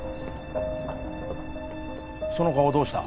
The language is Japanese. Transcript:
その顔どうした？